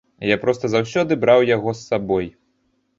Я проста заўсёды браў яго з сабой.